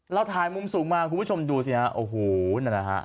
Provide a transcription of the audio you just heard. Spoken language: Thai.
เราถ่ายมุมสูงมาดูซิฮะโอ้โหรถเต็มไปหมด